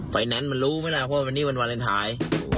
แนนซ์มันรู้ไหมล่ะว่าวันนี้วันวาเลนไทย